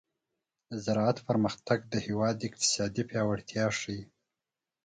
د زراعت پرمختګ د هېواد اقتصادي پیاوړتیا ښيي.